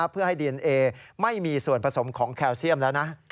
เพื่อให้ดีเอนเอไม่มีส่วนผสมของแคลเซียมแล้วนะ